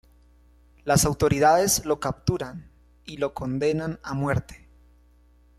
Las autoridades lo capturan y lo condenan a muerte.